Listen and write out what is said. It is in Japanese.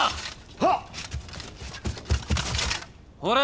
はっ！